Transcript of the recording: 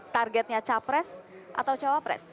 targetnya capres atau cawapres